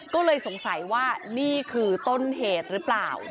ก็เลยสงสัยว่านี่คือต้นเหตุหรือเปล่า